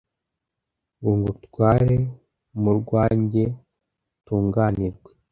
ngo ngutware murwanjye utunganirwe